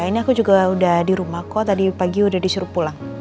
ini aku juga udah di rumah kok tadi pagi udah disuruh pulang